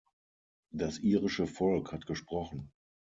Das irische Volk hat gesprochen.